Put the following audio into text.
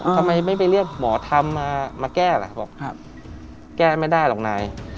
ทำไมไม่ไปเรียกหมอธรรมมาแก้ล่ะบอกแก้ไม่ได้หรอกนาย